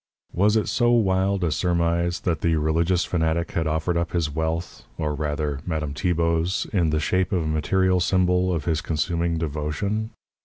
Was it so wild a surmise that the religious fanatic had offered up his wealth or, rather, Madame Tibault's in the shape of a material symbol of his consuming devotion?